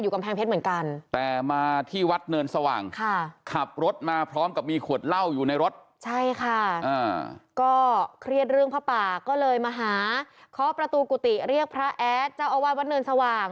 ก็เลยมาหาพระประตูกุฏิเรียกพระแอสเจ้าอาวาสวัดนึงสว่าง